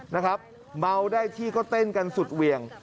นะครับเมาได้ที่ก็เต้นกันสุดเหวี่ยง